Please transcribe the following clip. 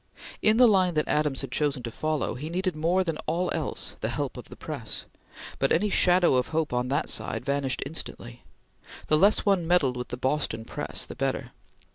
In the line that Adams had chosen to follow, he needed more than all else the help of the press, but any shadow of hope on that side vanished instantly. The less one meddled with the Boston press, the better.